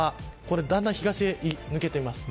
だんだん東へ抜けています。